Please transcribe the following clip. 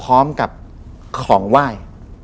พร้อมกับของไหว้